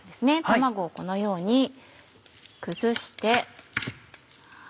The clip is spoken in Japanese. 卵をこのように崩して。